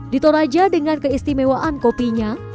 di toraja dengan keistimewaan kopinya